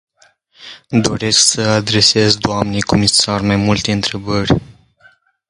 Doresc să adresez doamnei comisar mai multe întrebări.